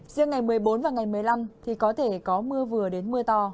riêng ngày một mươi bốn và ngày một mươi năm thì có thể có mưa vừa đến mưa to